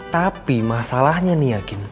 tapi masalahnya nih akin